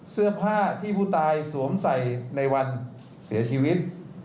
เสื้อผ้าที่ผู้ตายสวมใส่ในวันเสียชีวิต